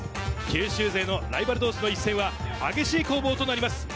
九州勢のライバル同士の一戦は激しい攻防となります。